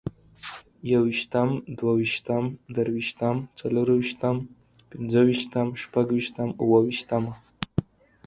يوویشتم، دوويشتم، دريوشتم، څلورويشتم، پنځوويشتم، شپږويشتم، اوويشتمه